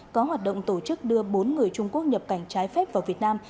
có hoạt động tổ chức đưa bốn người trung quốc nhập cảnh trái phép vào việt nam